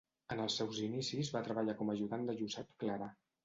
En els seus inicis va treballar com a ajudant de Josep Clarà.